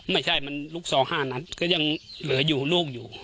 ไม่ใช่มันลูกซอง๕นัดก็ยังเหลืออยู่ลูกอยู่